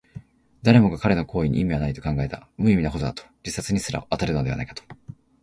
誰もが彼の行為に意味はないと考えた。無意味なことだと、自殺にすら当たるのではないかと。